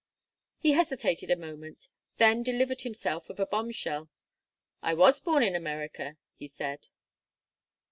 He hesitated a moment, then delivered himself of a bombshell. "I was born in America," he said.